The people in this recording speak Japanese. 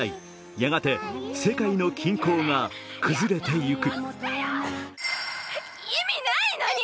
やがて世界の均衡が崩れていく。